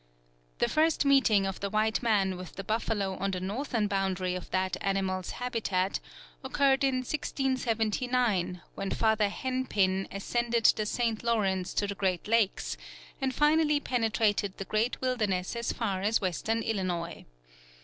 The first meeting of the white man with the buffalo on the northern boundary of that animal's habitat occurred in 1679, when Father Hennepin ascended the St. Lawrence to the great lakes, and finally penetrated the great wilderness as far as western Illinois.